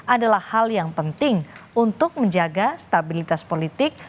adalah hal yang penting untuk menjaga stabilitas politik